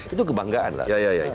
itu kebanggaan lah